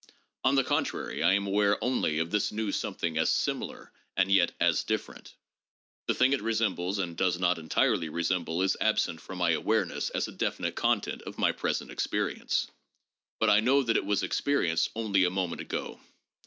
On the contrary, I am aware only of this new something as similar and yet as different. The thing it resembles and does not entirely resemble is absent from my awareness as a definite content of my present experience, but I know that it was experienced only a moment ago.